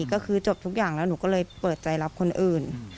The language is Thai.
ก็คือจบทุกอย่างแล้วหนูก็เลยเปิดใจรับคนอื่น